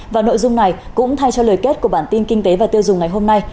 và nội dung này cũng thay cho lời kết của bản tin kinh tế và tiêu dùng ngày hôm nay